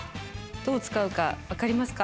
どう使うか分かりますか？